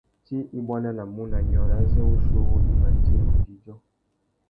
Tsi i buandanamú na nyôrê azê wuchiuwú i mà djï mutu idjô.